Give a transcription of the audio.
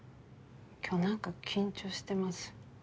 今日何か緊張してます？